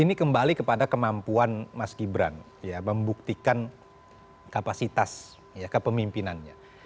ini kembali kepada kemampuan mas gibran ya membuktikan kapasitas ya kepemimpinannya